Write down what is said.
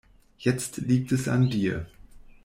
Jetzt liegt es an dir.